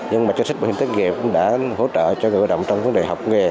nhưng mà chính sách bảo hiểm thất nghiệp cũng đã hỗ trợ cho người lao động trong vấn đề học nghề